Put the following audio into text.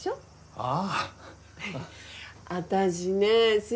ああ